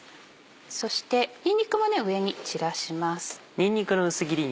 そしてにんにくも上に散らします。